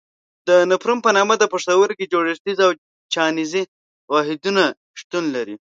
د نفرون په نامه د پښتورګي جوړښتیز او چاڼیز واحدونه شتون لري.